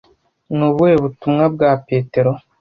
Ni ubuhe butumwa bwa Petero